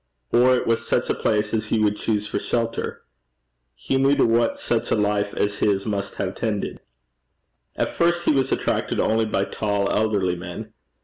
Or it was such a place as he would choose for shelter. He knew to what such a life as his must have tended. At first he was attracted only by tall elderly men.